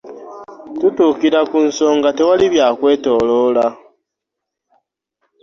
Tutuukira ku nsonga tewali bya kwetoloola.